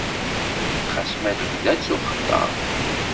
Xas ma lebda ttuxeṭṭaɣ.